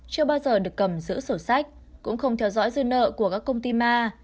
chưa bao giờ được cầm giữ sổ sách cũng không theo dõi dư nợ của các công ty ma